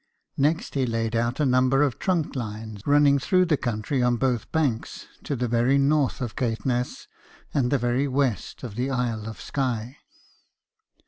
Next, he laid out a number of trunk lines, running through the country on both banks, to the very north of Caithness, and the very west of the Isle of Skye.